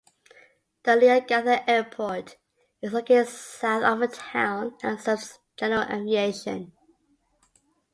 The Leongatha Airport is located south of the town and serves general aviation.